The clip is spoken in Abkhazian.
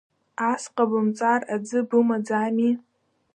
Ас ҟабымҵар аӡы бымаӡами?